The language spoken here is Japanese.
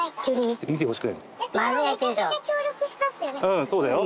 うんそうだよ。